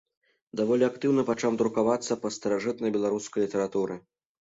Даволі актыўна пачаў друкавацца па старажытнай беларускай літаратуры.